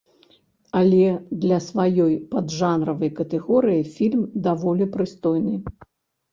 Але для сваёй паджанравай катэгорыі фільм даволі прыстойны.